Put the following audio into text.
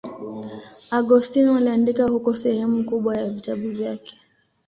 Agostino aliandika huko sehemu kubwa ya vitabu vyake.